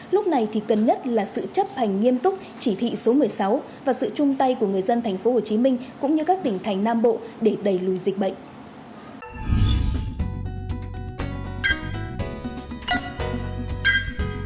lúc này thì cần nhất là sự chấp hành nghiêm túc chỉ thị số một mươi sáu và sự chung tay của người dân tp hcm cũng như các tỉnh thành nam bộ để đẩy lùi dịch bệnh